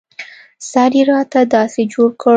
سر يې راته داسې جوړ کړ.